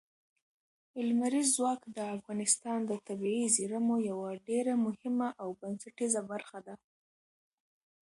لمریز ځواک د افغانستان د طبیعي زیرمو یوه ډېره مهمه او بنسټیزه برخه ده.